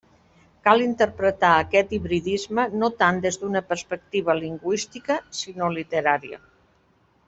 Cal interpretar aquest hibridisme no tant des d'una perspectiva lingüística sinó literària.